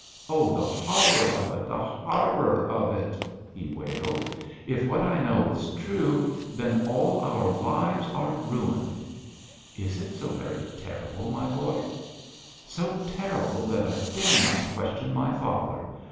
'Oh, the horror of it, the horror of it!' he wailed. 'If what I know is true, then all our lives are ruined.' 'Is it so very terrible, my boy?' 'So terrible that I dare not question my father!